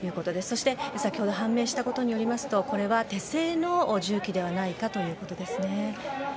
そして、先ほど判明したことによりますとこれは手製の銃器ではないかということですね。